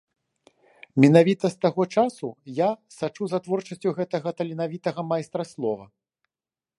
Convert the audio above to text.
Менавіта з таго часу я сачу за творчасцю гэтага таленавітага майстра слова.